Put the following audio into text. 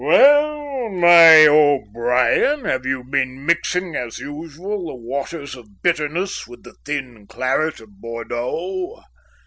"Well, my O'Brien, have you been mixing as usual the waters of bitterness with the thin claret of Bordeaux?"